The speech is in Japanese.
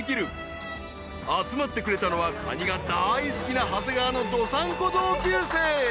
［集まってくれたのはカニが大好きな長谷川の道産子同級生］